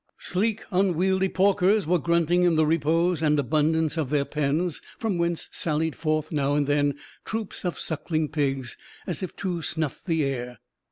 Sleek, unwieldy porkers were grunting in the repose and abundance of their pens, from whence sallied forth, now and then, troops of sucking pigs, as if to snuff the air.